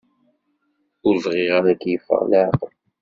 Ur bɣiɣ ara ad k-yeffeɣ leɛqel.